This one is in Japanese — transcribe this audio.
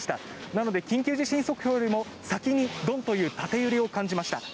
なので緊急地震速報よりも先にドンという縦揺れを感じました。